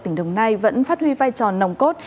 tỉnh đồng nai vẫn phát huy vai trò nồng cốt